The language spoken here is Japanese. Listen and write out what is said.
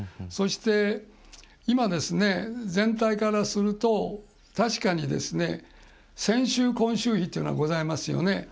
そして、今、全体からすると確かに、先週、今週比というのがございますよね。